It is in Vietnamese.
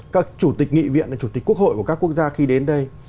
các chủ tịch nghị viện là chủ tịch quốc hội của các quốc gia khi đến đây